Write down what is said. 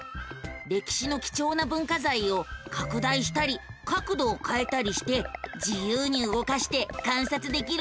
歴史の貴重な文化財を拡大したり角度をかえたりして自由に動かして観察できるのさ。